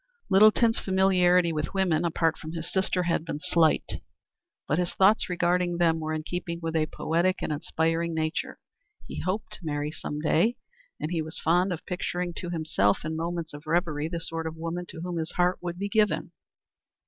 Littleton's familiarity with women, apart from his sister, had been slight, but his thoughts regarding them were in keeping with a poetic and aspiring nature. He hoped to marry some day, and he was fond of picturing to himself in moments of reverie the sort of woman to whom his heart would be given.